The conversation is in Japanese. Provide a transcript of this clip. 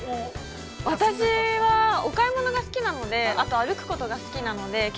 ◆私は、お買い物が好きなので、あとは、歩くことが好きなので。